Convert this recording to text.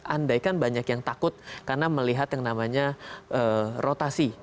andaikan banyak yang takut karena melihat yang namanya rotasi